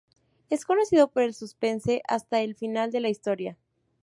Es conocido por el suspense hasta el final de la historia.